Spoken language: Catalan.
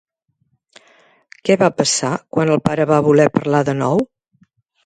Què va passar quan el pare va voler parlar de nou?